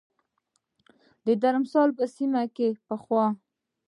د درمسال په سیمه کې به پخوا